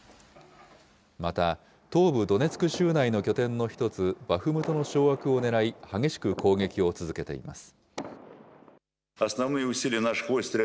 また、東部ドネツク州内の拠点の一つ、バフムトの掌握をねらい、激しく攻撃を続けています。